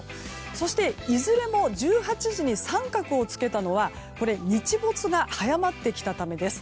そして、いずれも１８時に三角をつけたのは日没が早まってきたためです。